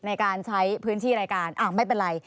ในการใช้พื้นที่รายการอ้าวไม่เป็นไร